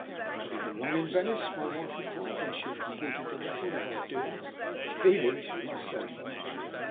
"Have you been long in Venice?" my wife inquired when she had completed the record of our doings, feeling that she must say something.